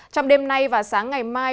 trong đêm nay và sáng ngày mai